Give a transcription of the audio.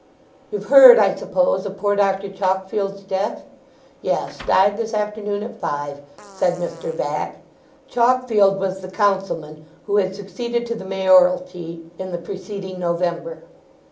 "You've heard, I suppose of poor Doctor Chalkfield's death? Yes—died this afternoon at five," said Mr. Vatt. Chalkfield was the Councilman who had succeeded to the Mayoralty in the preceding November.